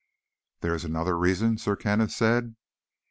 "There is another reason?" Sir Kenneth said.